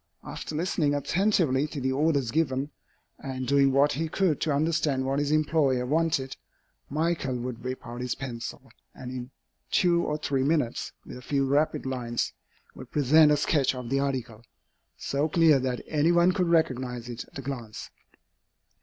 After listening attentively to the orders given, and doing what he could to understand what his employer wanted, Michael would whip out his pencil, and in two or three minutes, with a few rapid lines, would present a sketch of the article, so clear that any one could recognize it at a glance.